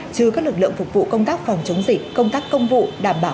trừ các lực lượng phục vụ công tác phòng chống dịch công tác công vụ đảm bảo